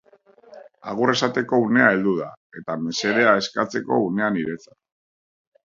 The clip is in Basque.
Agur esateko unea heldu da, eta mesedea eskatzeko unea niretzat.